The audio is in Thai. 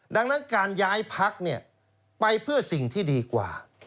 ดังนั้นการย้ายพักไปเพื่อสิ่งที่ดีกว่า